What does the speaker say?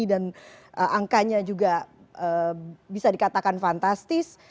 dan angkanya juga bisa dikatakan fantastis